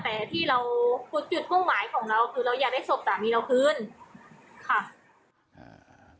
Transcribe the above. แต่ที่เราคือจุดมุ่งหมายของเราคือเราอยากได้ศพสามีเราคืนค่ะอ่า